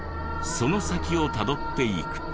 その先をたどっていくと。